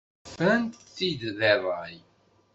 Frant-t-id deg ṛṛay.